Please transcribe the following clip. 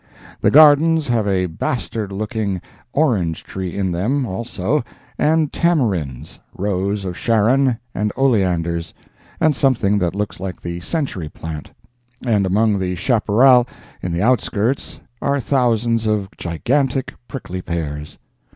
The gardens have a bastard looking orange tree in them, also, and tamarinds, Rose of Sharon, and oleanders, and something that looks like the century plant; and among the chaparral in the outskirts are thousands of gigantic prickly pears.